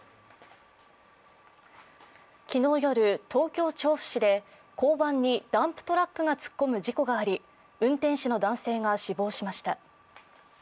昨日夜、東京・調布市で交番にダンプトラックが突っ込む事故があり、運転手の男性が死亡しました。